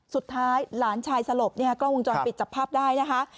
สุดท้ายหลานชายสลบเนี่ยกล้องวงจรปิดจับภาพได้นะคะ